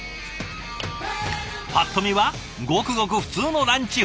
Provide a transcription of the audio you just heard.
ぱっと見はごくごく普通のランチ風景。